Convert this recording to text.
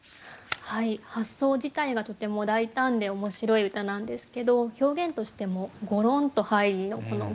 発想自体がとても大胆で面白い歌なんですけど表現としても「ごろんと入り」のこの「ごろん」の生々しさ